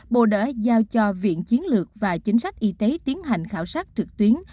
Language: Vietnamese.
bộ đã giao cho viện chiến lược và chính sách y tế tiến hành khảo sát trực tuyến